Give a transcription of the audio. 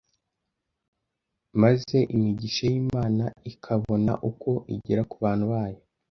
maze imigisha y’Imana ikabona uko igera ku bantu bayo.